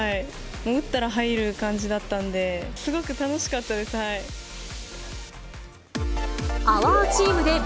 打ったら入る感じだったんで、すごく楽しかったです。